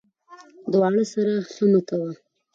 ـ د واړه سره ښه مه کوه ،